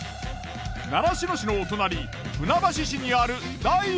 習志野市のお隣船橋市にある大輦。